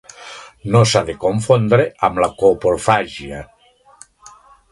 No s'ha de confondre amb la coprofàgia.